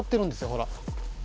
ほら。